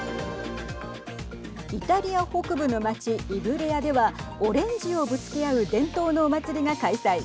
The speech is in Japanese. イタリア北部の町イブレアではオレンジをぶつけ合う伝統のお祭りが開催。